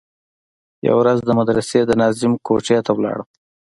يوه ورځ د مدرسې د ناظم کوټې ته ولاړم.